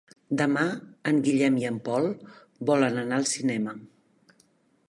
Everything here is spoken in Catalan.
Demà en Guillem i en Pol volen anar al cinema.